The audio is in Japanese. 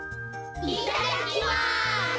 いただきます！